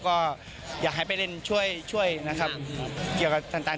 ก็อยากให้ไปเล่นช่วยช่วยนะครับเกี่ยวกับต่าง